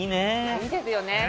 いいですよね。